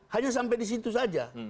hanya sampai di situ saja